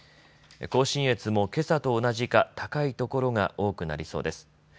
甲信越もけさと同じか高い所が多くなりそうです。